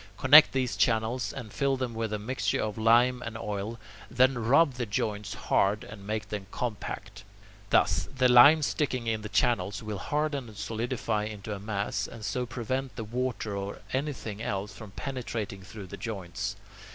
Connect these channels and fill them with a mixture of lime and oil; then, rub the joints hard and make them compact. Thus, the lime sticking in the channels will harden and solidify into a mass, and so prevent water or anything else from penetrating through the joints.